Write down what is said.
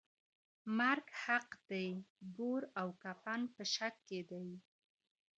مرگ حق دئ گور او کفن په شک کي دئ.